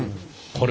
これ。